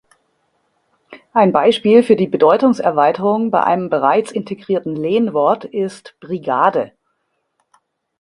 Ein Beispiel für die Bedeutungserweiterung bei einem bereits integrierten Lehnwort ist "Brigade".